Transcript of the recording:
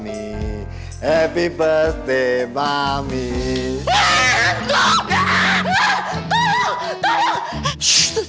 ini biar mami terkaget kaget